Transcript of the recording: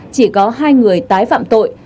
chỉ có hai người tái phạm tội